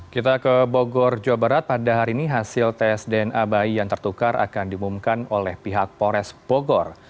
kita ke bogor jawa barat pada hari ini hasil tes dna bayi yang tertukar akan diumumkan oleh pihak pores bogor